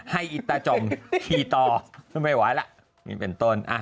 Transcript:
ให้อิตาจมขีดต่อไม่ไหวล่ะนี่เป็นต้น